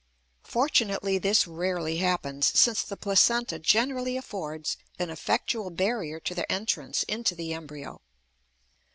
Fortunately this rarely happens, since the placenta generally affords an effectual barrier to their entrance into the embryo.